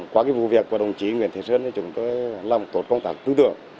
qua vụ việc của đồng chí nguyễn thế sơn chúng tôi làm một tổ công tác tư tưởng